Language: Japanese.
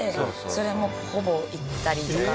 それもほぼ行ったりとか。